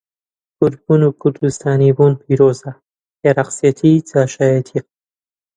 کوردبوون و کوردستانی بوون پیرۆزە، عێڕاقچێتی جاشایەتییە.